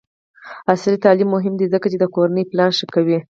عصري تعلیم مهم دی ځکه چې د کورنۍ پلان ښه کوي.